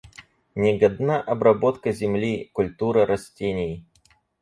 Не годна обработка земли, культура растений.